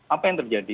apa yang terjadi